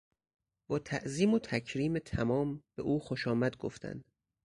با تعظیم و تکریم تمام به او خوشامد گفتند.